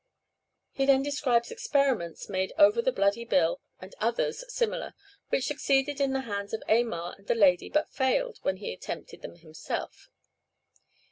He then describes experiments made over the bloody bill and others similar, which succeeded in the hands of Aymar and the lady, but failed when he attempted them himself.